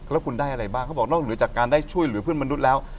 แล้วคุณได้อะไรบ้างเขาบอกนอกเหนือจากการได้ช่วยเหลือเพื่อนมนุษย์แล้ว